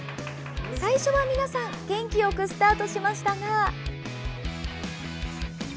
最初は皆さん、元気よくスタートしましたが。